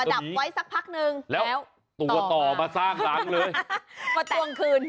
ประดับไว้สักพักนึงแล้วตัวต่อมาสร้างรังเลย